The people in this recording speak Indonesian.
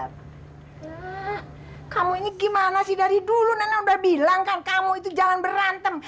hmm kamu ini gimana sih dari dulu nana udah bilang kan kamu itu jangan berantem